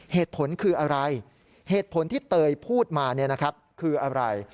เหตุผลคืออะไรเหตุผลที่เตยพูดมาคืออะไร